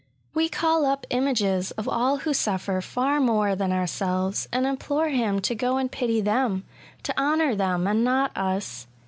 We call up images of all who suffer far more than our selves, and implore him to go and pity them — to honour them and not us.